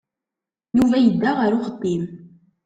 Yuba yedda ɣer uxeddim.